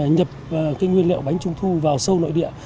nhập nguyên liệu bánh trung thu vào sâu nội địa